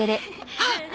あっ！